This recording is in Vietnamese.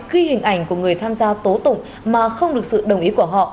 khi hình ảnh của người tham gia tố tụng mà không được sự đồng ý của họ